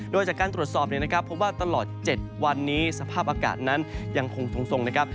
โดยจากการตรวจสอบเนี่ยนะครับเพราะว่าตลอด๗วันนี้สภาพอากาศนั้นยังคงทรงนะครับ